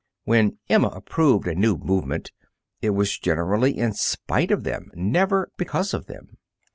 When Emma approved a new movement, it was generally in spite of them, never because of them.